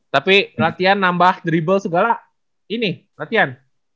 tapi latihan nambah drible segala ini latihan